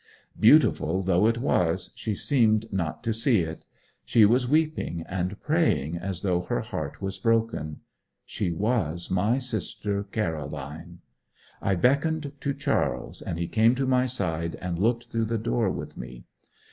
Beautiful though it was she seemed not to see it. She was weeping and praying as though her heart was broken. She was my sister Caroline. I beckoned to Charles, and he came to my side, and looked through the door with me.